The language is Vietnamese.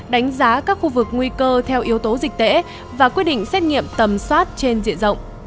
đánh giá các khu vực nguy cơ theo yếu tố dịch tễ và quyết định xét nghiệm tầm soát trên diện rộng